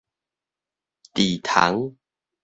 治蟲